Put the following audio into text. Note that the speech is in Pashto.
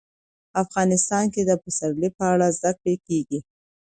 افغانستان کې د پسرلی په اړه زده کړه کېږي.